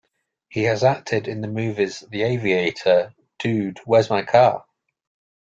He has acted in the movies "The Aviator", "Dude, Where's My Car?